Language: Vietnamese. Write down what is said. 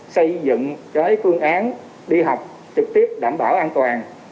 xây dựng phương án đi học trực tiếp đảm bảo an toàn